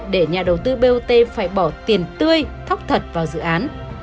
để nhà đầu tư bot phải bỏ tiền tươi thóc thật vào dự án